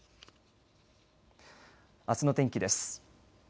あすの天気です。